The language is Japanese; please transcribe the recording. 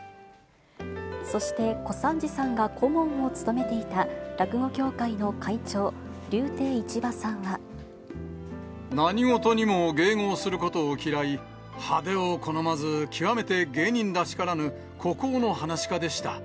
そして小三治さんが顧問を務めていた落語協会の会長、何事にも迎合することを嫌い、派手を好まず、極めて芸人らしからぬ、孤高のはなし家でした。